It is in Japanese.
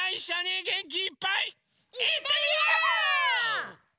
いってみよう！